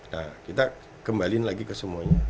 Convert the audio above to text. nah kita kembaliin lagi ke semuanya